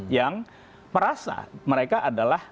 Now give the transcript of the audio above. yang merasa mereka adalah